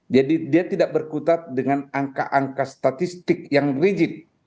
jadi dia tidak berkutat dengan angka angka statistik yang rigid